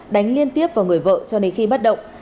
đánh liên tiếp vào người vợ cho đến khi bắt động